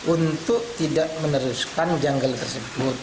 untuk tidak meneruskan janggal tersebut